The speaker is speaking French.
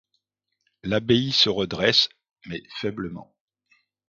L'abbaye se redresse, mais faiblement.